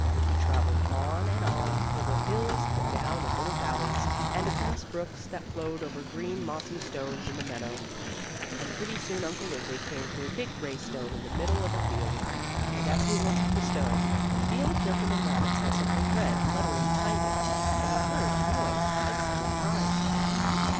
He traveled on and on, over hills and down in little valleys, and across brooks that flowed over green mossy stones in the meadow, and pretty soon Uncle Wiggily came to a big gray stone in the middle of a field. And, as he looked at the stone, the old gentleman rabbit saw something red fluttering behind it, and he heard a noise like some one crying.